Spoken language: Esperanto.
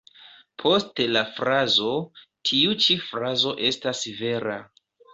Poste la frazo ""Tiu ĉi frazo estas vera.